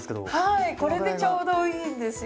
はいこれでちょうどいいんですよ。